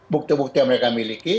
bukti bukti yang mereka miliki